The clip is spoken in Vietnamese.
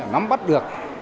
nắm bắt được